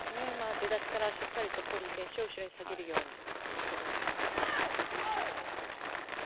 出だしからしっかりとポリイ選手を後ろに下げるようにレシーブで行っていますね。